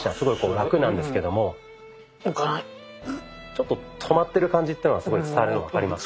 ちょっと止まってる感じっていうのはすごい伝わるの分かります？